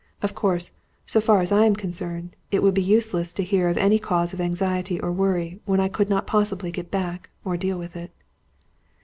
Of course, so far as I am concerned, it would be useless to hear of any cause for anxiety or worry when I could not possibly get back, or deal with it."